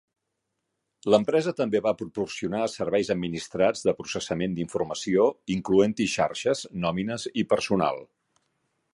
L'empresa també va proporcionar serveis administrats de processament d'informació, incloent-hi xarxes, nòmines i personal.